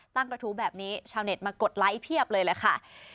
กระทู้แบบนี้ชาวเน็ตมากดไลค์เพียบเลยแหละค่ะ